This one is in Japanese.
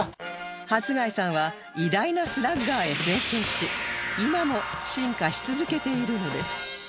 初谷さんは偉大なスラッガーへ成長し今も進化し続けているのです